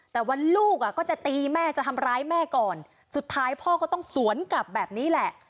แต่วันลูกอ่ะก็จะตีแม่จะทำร้ายแม่ก่อนสุดท้ายพ่อก็ต้องสวนกลับแบบนี้แหละ